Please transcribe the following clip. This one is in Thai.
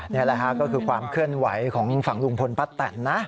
นี่แหละค่ะก็คือความเคลื่อนไหวของฝั่งลุงพลป้าแตนนะ